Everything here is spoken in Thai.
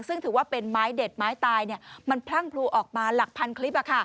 ซึ่งถือว่าเป็นไม้เด็ดไม้ตายมันพลั่งพลูออกมาหลักพันคลิป